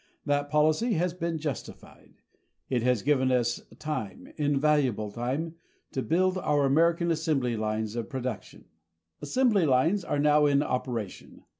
That policy has been justified. It has given us time, invaluable time, to build our American assembly lines of production. Assembly lines are now in operation.